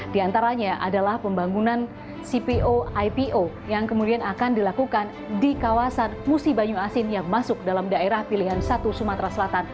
di antaranya adalah pembangunan cpo ipo yang kemudian akan dilakukan di kawasan musi banyu asin yang masuk dalam daerah pilihan satu sumatera selatan